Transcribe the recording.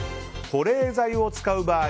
保冷剤を使う場合